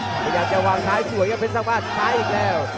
ไม่อยากจะวางซ้ายสวยครับเพศรษฐ์บ้านใช่อีกแล้ว